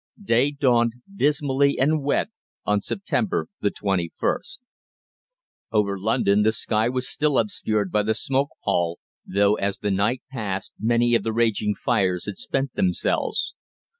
Day dawned dismally and wet on September the 21st. Over London the sky was still obscured by the smoke pall, though as the night passed many of the raging fires had spent themselves.